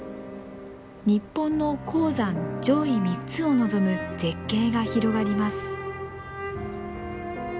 日本の高山上位３つを望む絶景が広がります。